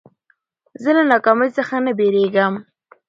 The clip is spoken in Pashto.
زه له ناکامۍ څخه نه بېرېږم.